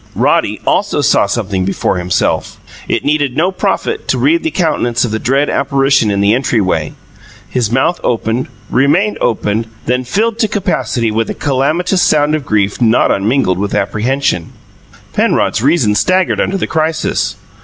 Roddy, also, saw something before himself. It needed no prophet to read the countenance of the dread apparition in the entryway. His mouth opened remained open then filled to capacity with a calamitous sound of grief not unmingled with apprehension. Penrod's reason staggered under the crisis.